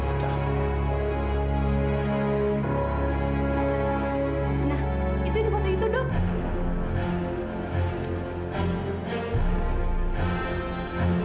nah itu yang di foto itu dok